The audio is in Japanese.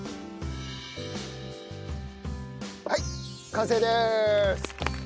はい完成です！